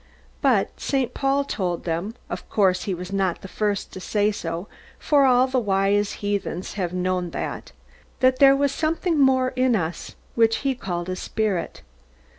But St. Paul told them of course he was not the first to say so, for all the wise heathens have known that that there was something more in us, which he called a spirit.